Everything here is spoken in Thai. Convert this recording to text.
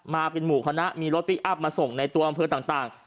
มาเป็นหมู่คณะมีรถพลิกอัพมาส่งในตัวอำเภอต่าง